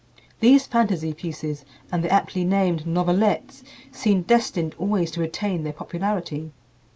These "Fantasie Pieces" and the aptly named "Novelettes" seem destined always to retain their popularity.